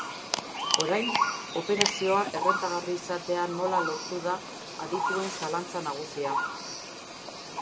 Orain, operazioa errentagarri izatea nola lortu da adituen zalantza nagusia.